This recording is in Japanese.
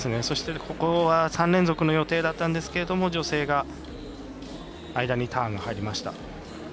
そして、ここは３連続の予定だったんですけど女性が間にターンが入りました。